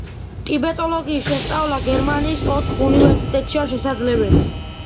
ტიბეტოლოგიის შესწავლა გერმანიის ოთხ უნივერსიტეტშია შესაძლებელი.